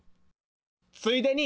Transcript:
ついでに。